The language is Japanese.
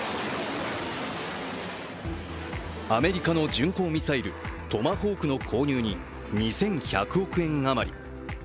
アメリカの巡航ミサイルトマホークの購入に２１００億円あまり。